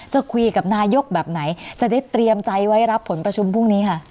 จะคุยกับนายกแบบไหนจะได้เตรียมใจไว้รับผลประชุมพรุ่งนี้ค่ะ